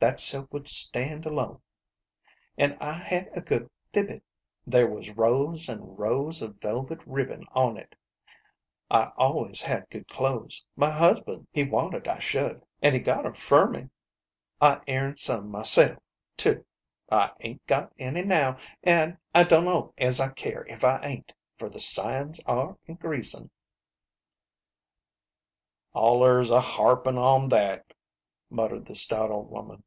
That silk would stand alone. An' I had a good thibet \ there was rows an' rows of velvet ribbon on it. I always had good clothes ; my husband, he wanted I should, an' he got 'em fer me. I aimed some myself, too. I 'ain't got any now, an' I dunno as I care if I ain't, fer the signs are increasing" " Allers a harpin' on that," muttered the stout old woman.